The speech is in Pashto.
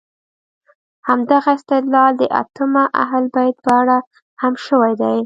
همدغه استدلال د ائمه اهل بیت په اړه هم شوی دی.